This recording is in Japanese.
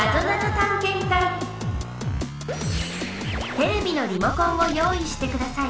テレビのリモコンを用いしてください。